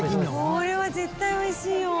これは絶対美味しいよ。